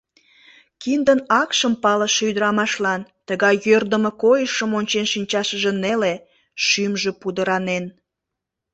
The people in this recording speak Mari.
Киндын акшым палыше ӱдырамашлан тыгай йӧрдымӧ койышым ончен шинчашыже неле, шӱмжӧ пудыранен.